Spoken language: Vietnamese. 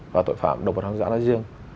và tội phạm động vật hoang dã nói riêng